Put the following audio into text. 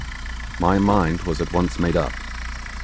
My mind was at once made up.